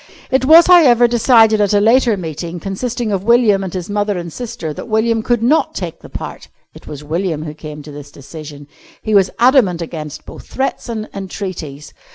It was, however, decided at a later meeting, consisting of William and his mother and sister, that William could not take the part. It was William who came to this decision. He was adamant against both threats and entreaties.